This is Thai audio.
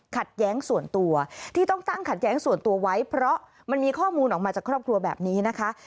ขัดแย้งส่วนตัวที่ต้องตั้งขัดแย้งส่วนตัวไว้เพราะมันมีข้อมูลออกมาจากครอบครัวแบบนี้นะคะ